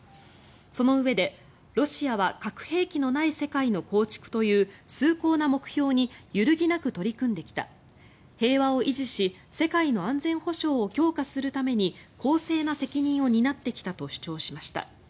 そのうえでロシアは核兵器のない世界の構築という崇高な目標に揺るぎなく取り組んできた平和を維持し世界の安全保障を強化するために公正な責任を担ってきたと主張しました。